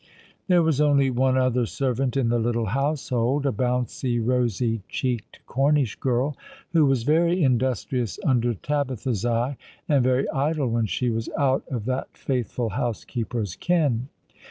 There was only one other servant in the little household— 28 All along the River, a bouncing, rosy cheeked Cornish girl, who was very in dustrious under Tabitha's] eye, and very idle when she was out of that faithful housekeeper's ken.